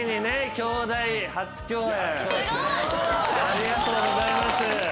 ありがとうございます。